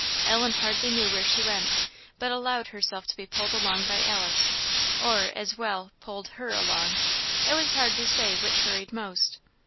Ellen hardly knew where she went, but allowed herself to be pulled along by Alice, or, as well, pulled her along it was hard to say which hurried most.